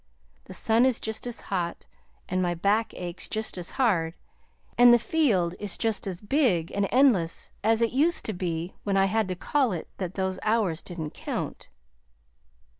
The sun is just as hot, and my back aches just as hard, and the field is just as big and endless as it used to be when I had to call it that those hours didn't count.